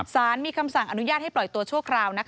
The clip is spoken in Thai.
สารมีคำสั่งอนุญาตให้ปล่อยตัวชั่วคราว